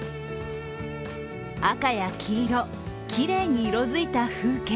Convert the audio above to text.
赤や黄色、きれいに色づいた風景。